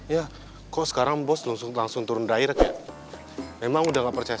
yaudah sekarang lu kamu coba ya